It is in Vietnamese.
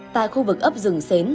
tại khu vực ấp rừng xến